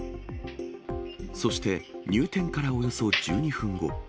そして、入店からおよそ１２分後。